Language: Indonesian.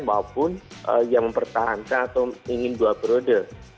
maupun yang mempertahankan atau ingin doa peradil